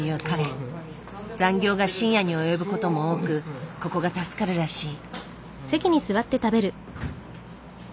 残業が深夜に及ぶことも多くここが助かるらしい。